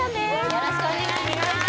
よろしくお願いします